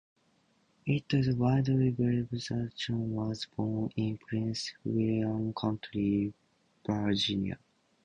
It is widely believed that John was born in Prince William County, Virginia.